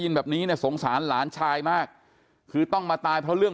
แบบนี้เนี่ยสงสารหลานชายมากคือต้องมาตายเพราะเรื่อง